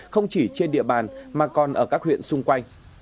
không chỉ trên địa bàn mà còn ở các huyện xung quanh